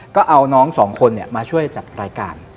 ก็เอาน้อง๒คนเนี่ยมาช่วยจัดรายการ